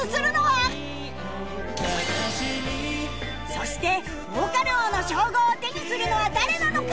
そしてヴォーカル王の称号を手にするのは誰なのか！？